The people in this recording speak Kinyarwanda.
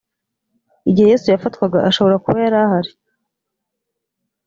igihe yesu yafatwaga ashobora kuba yari ahari